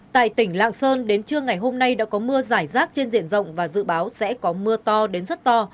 tại tỉnh lạng sơn đến trưa ngày hôm nay đã có mưa giải rác trên diện rộng và dự báo sẽ có mưa to đến rất to